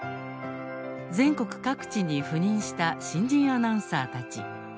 全国各地に赴任した新人アナウンサーたち。